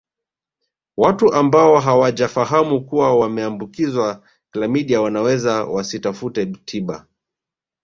Watu ambao hawajafahamu kuwa wameambukizwa klamidia wanaweza wasitafute tiba